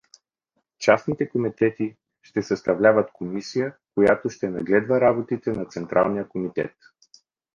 Частните комитети ще да съставляват комисия, която ще нагледва работите на централния комитет.